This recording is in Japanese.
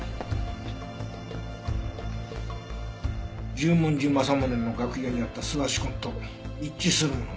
十文字政宗の楽屋にあった素足痕と一致するものが出たよ。